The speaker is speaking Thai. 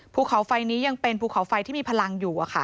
ภูเขาไฟนี้ยังเป็นภูเขาไฟที่มีพลังอยู่